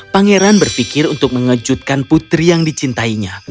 pangeran berpikir untuk mengejutkan putri yang dicintainya